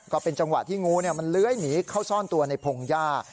ก็เป็นจังหวะที่งูมันเลื้อยหนีเข้าซ่อนตัวในพงหญ้า